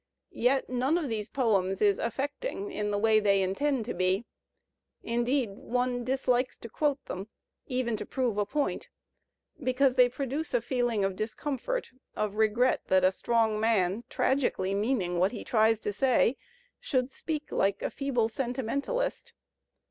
Yet none of these poems is aflFeeting in the way they intend to be. Indeed one dislikes to quote them, even to prove a point, because they produce a feeling of discomfort, of r^ret that a strong man, tragically meaning what he tries to say, should speak like a feeble sentimentalist.